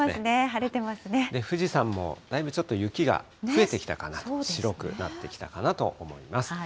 晴れてま富士山も、だいぶちょっと雪が増えてきた感じ、白くなってきたかなと思います。